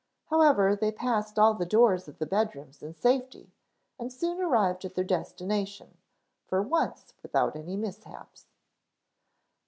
However, they passed all the doors of the bedrooms in safety and soon arrived at their destination, for once without any mishaps.